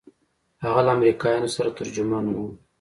هغه له امريکايانو سره ترجمان و.